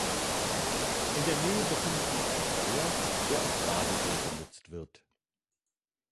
In der Nähe befindet sich ein Weiher, der als Badesee genutzt wird.